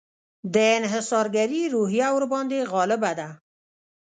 د انحصارګري روحیه ورباندې غالبه ده.